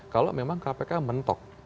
kalau memang kpk mentok